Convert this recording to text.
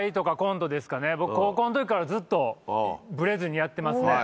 僕高校の時からずっとブレずにやってますね。